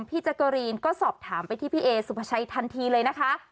แจ๊กเกอรีนก็สอบถามไปที่พี่เอสุภาชัยทันทีเลยนะคะ